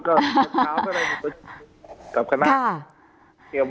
ก็คราวเมื่อไหนค่ะ